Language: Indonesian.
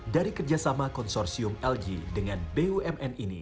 dari kerjasama konsorsium lg dengan bumn ini